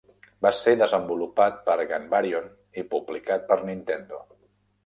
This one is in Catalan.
Va ser desenvolupat per Ganbarion i publicat per Nintendo.